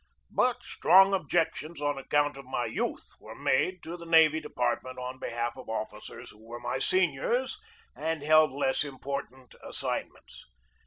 But strong objections on account of my youth were made to the Navy Department on be half of officers who were my seniors and held less important assignments.